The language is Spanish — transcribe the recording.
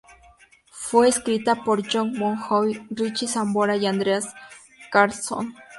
Fue escrita por Jon Bon Jovi, Richie Sambora y Andreas Carlsson.